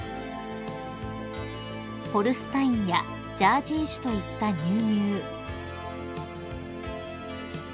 ［ホルスタインやジャージー種といった乳牛］